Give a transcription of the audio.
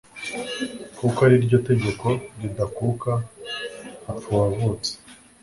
kuko ari ryo tegeko ridakuka: hapfa uwavutse